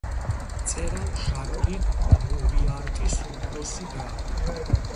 მწერალ ჟაკლინ მორიარტის უფროსი და.